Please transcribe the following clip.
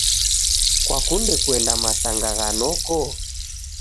Kwakunde kuenda masanga gha noko?